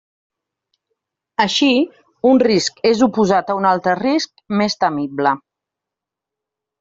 Així, un risc és oposat a un altre risc més temible.